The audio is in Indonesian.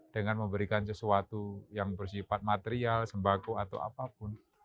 dengan memberikan sesuatu yang bersifat material sembako atau apapun